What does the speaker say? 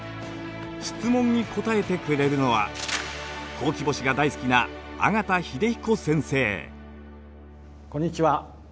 質問に答えてくれるのはほうき星が大好きなこんにちは。